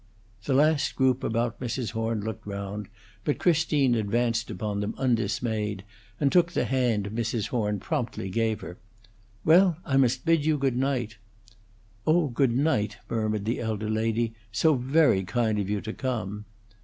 The last group about Mrs. Horn looked round, but Christine advanced upon them undismayed, and took the hand Mrs. Horn promptly gave her. "Well, I must bid you good night." "Oh, good night," murmured the elder lady. "So very kind of you to come."